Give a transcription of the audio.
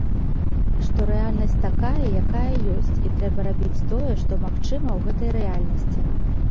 Што рэальнасць такая, якая ёсць, і трэба рабіць тое, што магчыма ў гэтай рэальнасці.